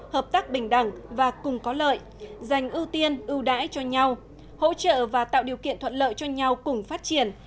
hợp tác bình đẳng và cùng có lợi dành ưu tiên ưu đãi cho nhau hỗ trợ và tạo điều kiện thuận lợi cho nhau cùng phát triển